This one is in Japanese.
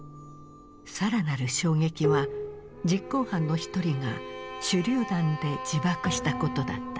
更なる衝撃は実行犯の一人が手榴弾で自爆したことだった。